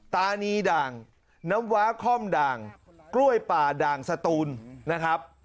ตานีด่างน้ำว้าคล่อมด่างกล้วยป่าด่างสตูนนะครับ